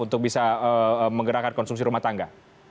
untuk bisa menggerakkan konsumsi rumah tangga